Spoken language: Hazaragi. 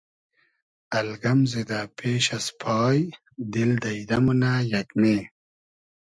الگئم زیدۂ پېش از پای دیل دݷدۂ مونۂ یېگمې